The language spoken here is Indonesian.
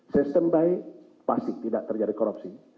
sistem by pasti tidak terjadi korupsi